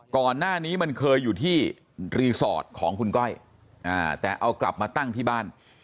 ก่อนหน้านี้มันเคยอยู่ที่รีสอร์ทของคุณก้อยแต่เอากลับมาตั้งที่บ้าน